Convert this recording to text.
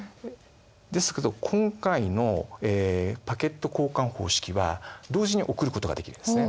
ですけど今回のパケット交換方式は同時に送ることができるんですね。